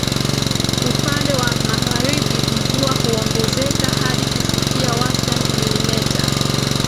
Upande wa Magharibi mvua huongezeka hadi kufikia wastani milimeta